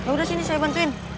udah sini saya bantuin